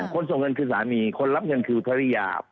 ส่งเงินคือสามีคนรับเงินคือภรรยา